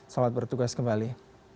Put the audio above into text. selamat bertugas kembali